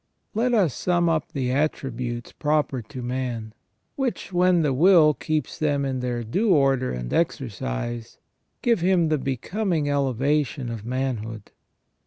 Let us sum up the attributes proper to man, which, when the •will keeps them in their due order and exercise, give him the becoming elevation of manhood.